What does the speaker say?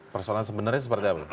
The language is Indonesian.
persoalan sebenarnya seperti apa